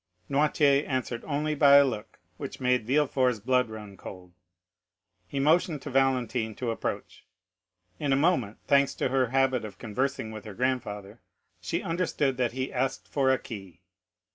Noirtier answered only by a look which made Villefort's blood run cold. He motioned to Valentine to approach. In a moment, thanks to her habit of conversing with her grandfather, she understood that he asked for a key.